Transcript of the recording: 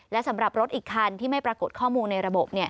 และสำหรับรถอีกคันที่ไม่ปรากฏข้อมูลในระบบ